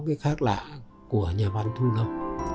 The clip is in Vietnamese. cái khác lạ của nhà văn thu lâm